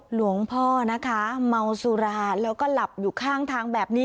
หลวงพ่อนะคะเมาสุราแล้วก็หลับอยู่ข้างทางแบบนี้